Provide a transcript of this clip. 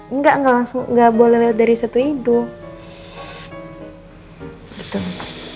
enggak langsung gak boleh lewat dari satu hidung